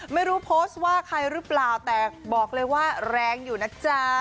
ไม่รู้โพสต์ว่าใครหรือเปล่าแต่บอกเลยว่าแรงอยู่นะจ๊ะ